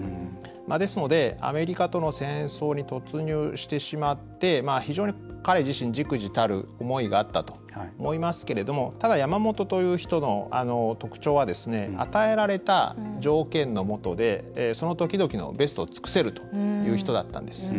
ですのでアメリカとの戦争に突入してしまって非常に彼自身じくじたる思いがあったと思いますけれどもただ山本という人の特徴は与えられた条件のもとでその時々のベストを尽くせるという人だったんです。